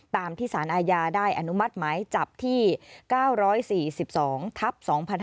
ตามที่สารอาญาได้อนุมัติหมายจับที่๙๔๒ทับ๒๕๕๙